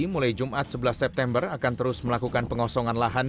mulai jumat sebelas september akan terus melakukan pengosongan lahan